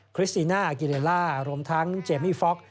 คริสตีน่าอากิเลเล่ล่ารวมทั้งเจมส์มีฟ็อก